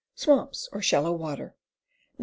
Swamps or shallow water. Me.